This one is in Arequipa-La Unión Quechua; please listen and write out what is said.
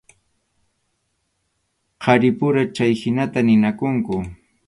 Qharipura chayhinata ninakunku.